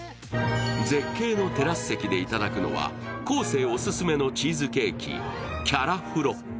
絶景のテラス席でいただくのは昴生オススメのチーズケーキキャラフロ。